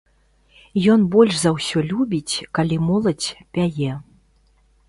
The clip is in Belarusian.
Ён больш за ўсё любіць, калі моладзь пяе.